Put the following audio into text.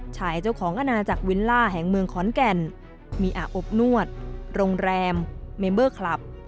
ชายเจ้าของอาณาจักรวิลล่าแห่งเมืองขอนแก่นมีอาบอบนวดโรงแรมเมมเบอร์คลับ